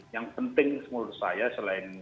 yang penting menurut saya selain